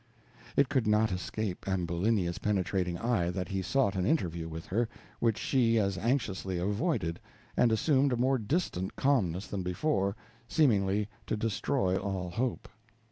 It could not escape Ambulinia's penetrating eye that he sought an interview with her, which she as anxiously avoided, and assumed a more distant calmness than before, seemingly to destroy all hope.